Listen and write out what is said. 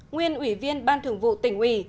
nguyên ủy viên ban thường vụ tỉnh uỷ